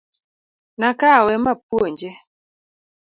Nakawe mapuonje .